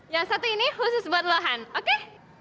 yang satu ini khusus buat lo han oke